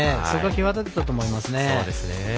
際立っていたと思いますね。